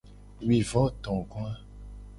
Wuivotogoa.